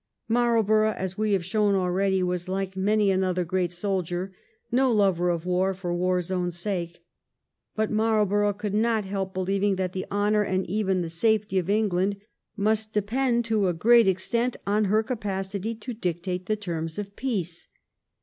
Marlborough, as we have shown already, was, like many another great soldier, no lover of war for war's own sake. But Marlborough could not help believing that the honour and even the safety of England must depend to a great extent on her capacity to dictate the terms of peace.